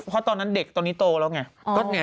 เพราะตอนนั้นเด็กตอนนี้โตแล้วไง